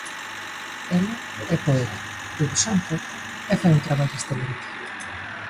Ela é poeta, debuxante, e fai un traballo excelente.